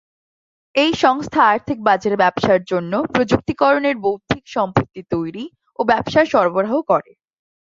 এই সংস্থা আর্থিক বাজারে ব্যবসার জন্য প্রযুক্তি করণের বৌদ্ধিক সম্পত্তি তৈরি ও ব্যবসার সরবরাহ করে।